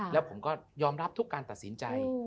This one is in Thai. แล้วผมก็ยอมรับทุกการตัดสินใจ